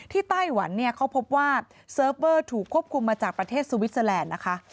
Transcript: ไต้หวันเนี่ยเขาพบว่าเซิร์ฟเวอร์ถูกควบคุมมาจากประเทศสวิสเตอร์แลนด์นะคะ